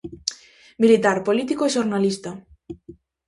Militar, político e xornalista.